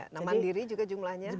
nah mandiri juga jumlahnya